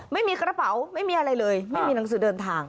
ไม่มีกระเป๋าไม่มีอะไรเลยไม่มีหนังสือเดินทาง